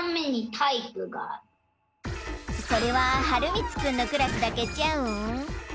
それははるみつくんのクラスだけちゃうん？